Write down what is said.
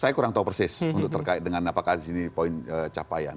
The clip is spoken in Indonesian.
saya kurang tahu persis untuk terkait dengan apakah di sini poin capaian